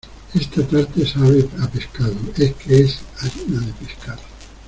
esta tarta sabe a pescado. es que es harina de pescado